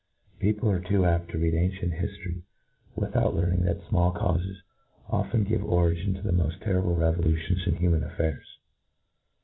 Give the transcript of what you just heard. People are too apt to read ancient Jiifto ry, without learning that fmall cajufes have often given origin to the moft terrible revolutions in human affairs.